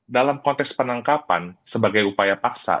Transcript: dalam konteks penangkapan sebagai upaya paksa